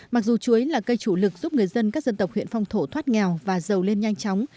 mặc dù chuối là cây chủ lực giúp người dân các dân tộc huyện phong thổ thoát nghèo và giàu lên nhanh chóng